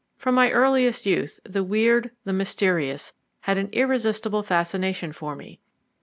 From my earliest youth the weird, the mysterious had an irresistible fascination for me.